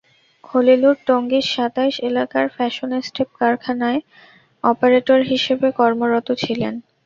খলিলুর টঙ্গীর সাতাইশ এলাকার ফ্যাশন স্টেপ কারখানায় অপারেটর হিসেবে কর্মরত ছিলেন।